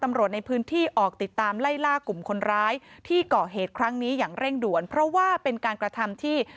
ตำรวจในพื้นที่ออกติดตามไล่ล่ากลุ่มคนร้ายที่ก่อเหตุครั้งนี้อย่างเร่งด่วนเพราะว่าเป็นการกระทำที่